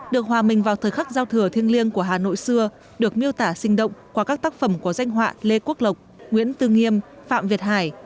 được hòa mình vào thời khắc giao thừa thiêng liêng của hà nội xưa được miêu tả sinh động qua các tác phẩm của danh họa lê quốc lộc nguyễn tư nghiêm phạm việt hải